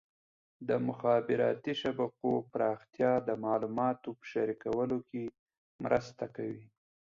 د مخابراتي شبکو پراختیا د معلوماتو په شریکولو کې مرسته کوي.